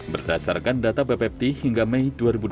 berdasarkan data bapepti hingga mei dua ribu dua puluh